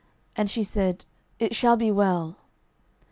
And she said, It shall be well.